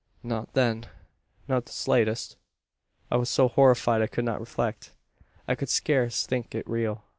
"Not then, not the slightest. I was so horrified, I could not reflect. I could scarce think it real.